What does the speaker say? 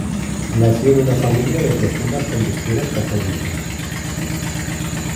Nació en una familia de profundas convicciones católicas.